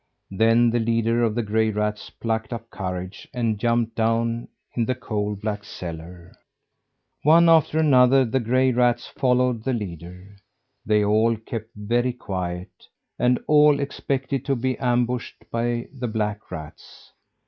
Then the leader of the gray rats plucked up courage and jumped down in the coal black cellar. One after another of the gray rats followed the leader. They all kept very quiet; and all expected to be ambushed by the black rats.